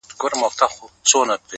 هر څه چي راپېښ ســولـــــه!!